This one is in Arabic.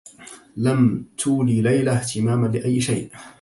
لم تولي ليلى اهتماما لأي شيء.